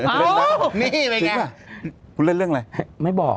อ้าวนี่ยังไงนึกว่าไม่บอก